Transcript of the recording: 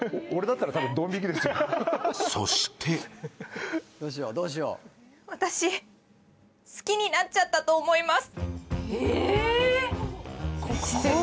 そして私、好きになっちゃったと思います。